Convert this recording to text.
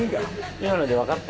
今のでわかった？